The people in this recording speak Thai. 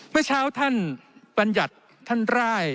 เมื่อเช้าท่านปัญญัติท่านไลห์